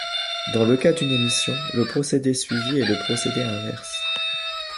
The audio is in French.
Dans le cas d'une émission, le procédé suivi est le procédé inverse.